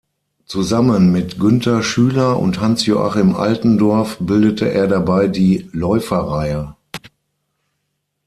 Zusammen mit Günter Schüler und Hans-Joachim Altendorff bildete er dabei die Läuferreihe.